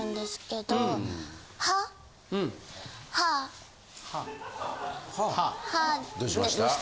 どうしました？